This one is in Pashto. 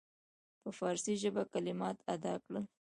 په فارسي ژبه کلمات ادا کړل.